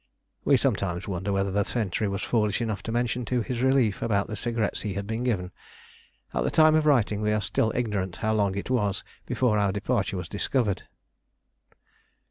We sometimes wonder whether the sentry was foolish enough to mention to his relief about the cigarettes he had been given. At the time of writing we are still ignorant how long it was before our departure was discovered.